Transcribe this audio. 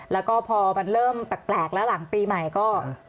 แล้วก็พอมันเริ่มแปลกแล้วหลังปีใหม่ก็